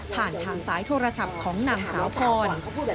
ผ่านทางสายโทรศัพท์ของนางสาวพร